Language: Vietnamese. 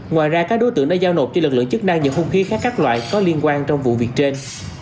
ngoài ra các đối tượng đã giao nộp cho lực lượng chức năng những hung khí khác các loại có liên quan trong vụ việc trên